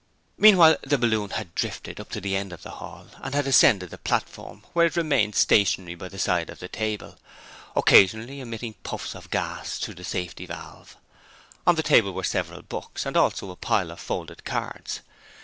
Meanwhile the balloon had drifted up to the end of the hall and had ascended the platform, where it remained stationary by the side of the table, occasionally emitting puffs of gas through the safety valve. On the table were several books, and also a pile of folded cards.